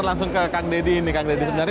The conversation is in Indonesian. thank you pak deddy